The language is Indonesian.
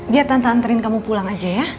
biar tante anterin kamu pulang aja ya